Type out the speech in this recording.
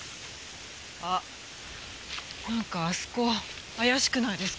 あっなんかあそこ怪しくないですか？